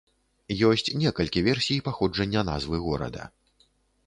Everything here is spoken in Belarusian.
Ёсць некалькі версій паходжання назвы горада.